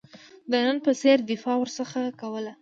د نن په څېر دفاع ورڅخه کوله.